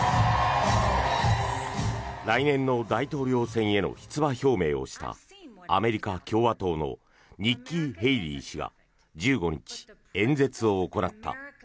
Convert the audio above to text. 来年の大統領選への出馬表明をしたアメリカ共和党のニッキー・ヘイリー氏が１５日、演説を行った。